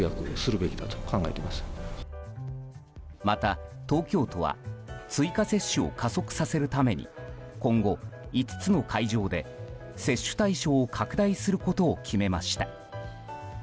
また、東京都は追加接種を加速させるために今後５つの会場で接種対象を拡大することを決めました。